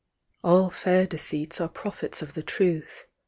All fair deceits are prophets of the truth.